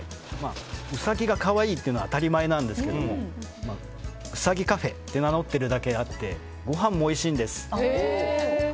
ウサギが可愛いというのは当たり前なんですけどウサギカフェって名乗っているだけあってごはんもおいしいんです。